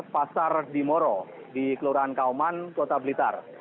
pasar di moro di kelurahan kauman kota blitar